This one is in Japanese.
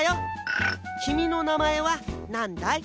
きみのなまえはなんだい？